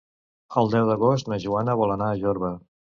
El deu d'agost na Joana vol anar a Jorba.